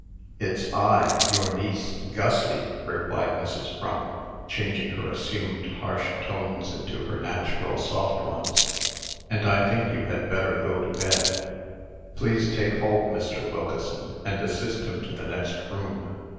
"It's I. Your niece Gusty," replied Mrs. Frump, changing her assumed harsh tones into her natural soft ones "And I think you had better go to bed. Please take hold, Mr. Wilkeson, and assist him to the next room."